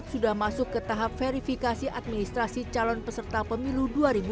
sudah masuk ke tahap verifikasi administrasi calon peserta pemilu dua ribu dua puluh